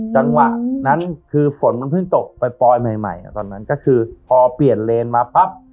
จังหวะนั้นคือฝนมันเพิ่งตกปล่อยใหม่ใหม่ตอนนั้นก็คือพอเปลี่ยนเลนมาปั๊บ